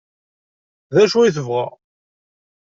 D acu i tebɣa?